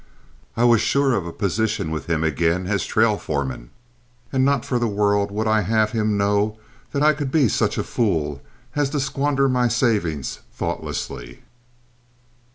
I was sure of a position with him again as trail foreman, and not for the world would I have had him know that I could be such a fool as to squander my savings thoughtlessly.